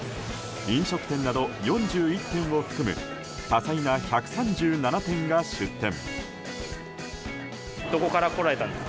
飲食店など４１店を含む多彩な１３７店が出店。